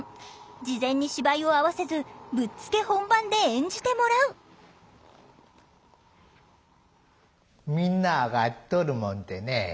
事前に芝居を合わせずぶっつけ本番で演じてもらうみんなあがっとるもんでね。